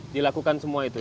dilakukan semua itu ya